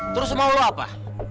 terus mau lo apa